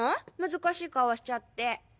難しい顔しちゃって。